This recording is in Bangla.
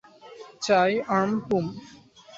চাই, আর্ম, পুম।